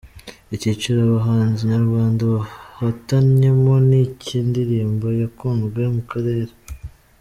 Icyiciro abahanzi nyarwanda bahatanyemo ni icy’indirimbo yakunzwe mu karere:.